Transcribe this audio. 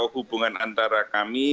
hubungan antara kami